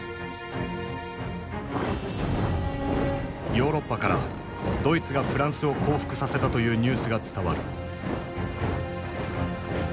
ヨーロッパからドイツがフランスを降伏させたというニュースが伝わる。